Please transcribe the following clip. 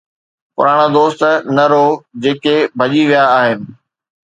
پراڻا دوست نه روئو جيڪي ڀڄي ويا آهن